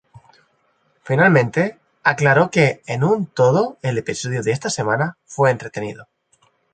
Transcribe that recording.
Finalmente, aclaró que "En un todo, el episodio de esta semana fue entretenido.